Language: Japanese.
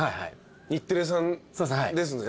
日テレさんですね？